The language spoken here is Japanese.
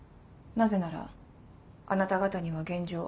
なぜならあなた方には現状